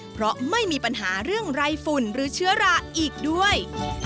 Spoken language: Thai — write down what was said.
เพราะไม่มีปัญหาเรื่องไรฝุ่นหรือเชื้อราอีกด้วย